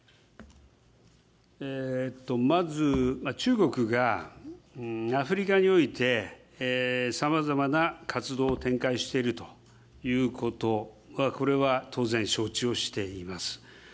まず中国がアフリカにおいて、さまざまな活動を展開しているということは、これは当然承知をしています。